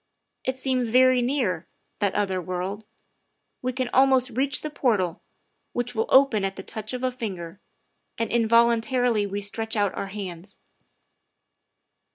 It seems very near that other world ; we can almost reach the portal, which will open at the touch of a finger, and involuntarily we stretch out our hands.